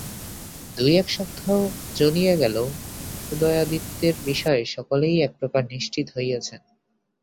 দুই-এক সপ্তাহ চলিয়া গেল, উদয়াদিত্যের বিষয়ে সকলেই একপ্রকার নিশ্চিত হইয়াছেন।